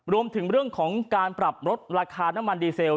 รวมถึงเรื่องของการปรับลดราคาน้ำมันดีเซล